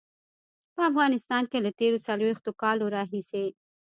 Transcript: په افغانستان کې له تېرو څلويښتو کالو راهيسې.